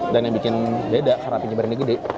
dan yang bikin beda karena apinya berani gede